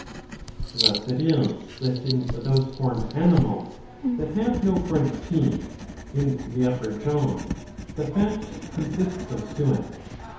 * Thus it is that in those horned animals that have no front teeth 651a. 32 ii. 5 — ii. 6. in the upper jaw the fat consists of suet.